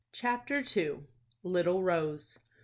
CHAPTER II. LITTLE ROSE.